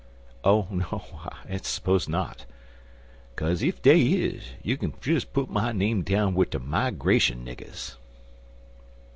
"Oh, no I suppose not." "'Kase ef dey is, you k'n des put my name down wid de migrashun niggers."